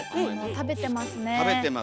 食べてます。